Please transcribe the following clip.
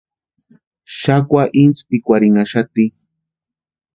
Xakwa inspikwarinnhaxati.